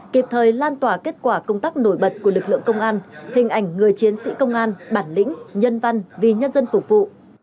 kịp thời lan tỏa kết quả công tác nổi bật của lực lượng công an hình ảnh người chiến sĩ công an bản lĩnh nhân văn vì nhân dân phục vụ